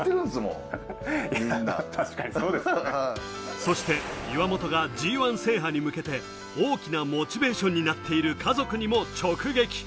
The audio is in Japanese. そして岩本がＧ１制覇に向けて、大きなモチベーションになっている家族にも直撃。